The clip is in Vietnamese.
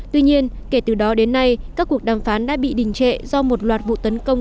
tuy nhiên kể từ đó đến nay các cuộc đàm phán đã bị đình trệ do một loạt vụ tấn công